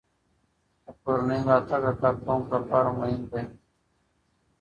د کورنۍ ملاتړ د کارکوونکو لپاره مهم دی.